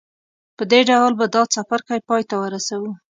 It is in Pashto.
په دې ډول به دا څپرکی پای ته ورسوو.